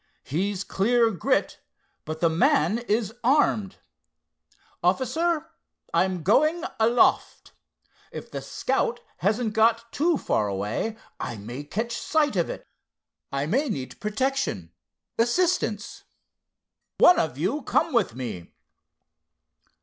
He's clear grit, but the man is armed. Officer, I'm going aloft. If the Scout hasn't got too far away, I may catch sight of it. I may need protection; assistance. One of you come with me."